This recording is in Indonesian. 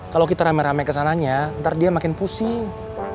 kalau kita ramai ramai ke sananya nanti dia makin pusing